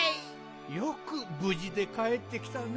よくぶじでかえってきたね。